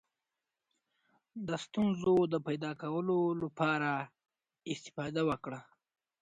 د ستونزو د پیدا کولو لپاره استفاده وکړه.